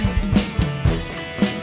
ya ini lagi serius